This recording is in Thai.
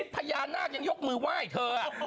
พญานาคยังยกมือไหว้เธอ